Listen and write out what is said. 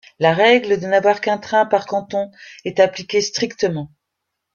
La règle de n'avoir qu'un train par canton est appliquée strictement.